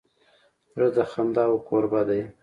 زړه د خنداوو کوربه دی.